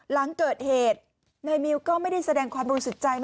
หลังเกิดเหตุนายมิวก็ไม่ได้แสดงความบริสุทธิ์ใจ